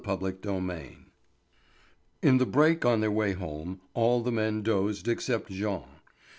CHAPTER VII In the break, on their way home, all the men dozed excepting Jean.